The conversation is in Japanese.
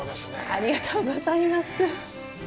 ありがとうございます。